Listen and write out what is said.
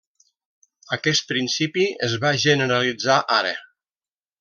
Aquest principi es va generalitzar ara.